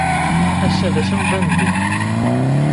Ass-a d ass ambandu.